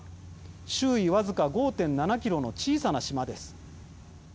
周囲僅か５．７キロの小さな島です。